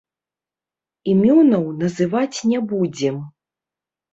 Імёнаў называць не будзем.